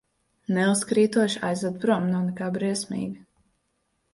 Neuzkrītoši aizvedu prom, nav nekā briesmīga.